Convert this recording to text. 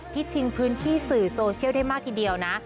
ชิงพื้นที่สื่อโซเชียลได้มากทีเดียวนะ